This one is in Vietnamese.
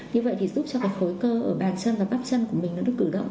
như vậy thì giúp cho cái khối cơ ở bàn chân và bắp chân của mình nó được cử động